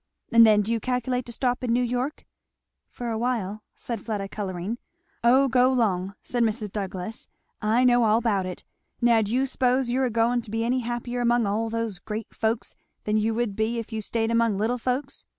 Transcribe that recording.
"And then do you calculate to stop in New York?" "For awhile," said Fleda colouring. "O go 'long!" said Mrs. Douglass, "I know all about it. Now do you s'pose you're agoing to be any happier among all those great folks than you would be if you staid among little folks?"